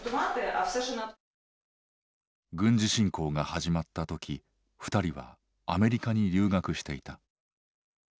軍事侵攻が始まったとき２人はアメリカに留学していた。